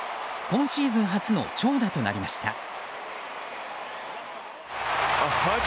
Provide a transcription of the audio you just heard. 今シーズン初の長打となりました。